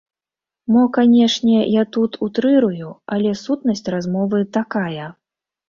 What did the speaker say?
Мо, канечне, я тут утрырую, але сутнасць размовы такая.